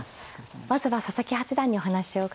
まずは佐々木八段にお話を伺います。